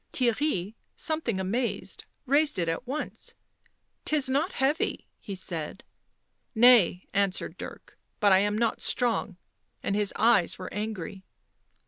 Theirry, something amazed, raised it at once. " J Tis not heavy," he said. " Nay," answered Dirk, " but I am not strong," and his eyes were angry.